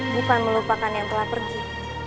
bukan melupakan yang telah pergi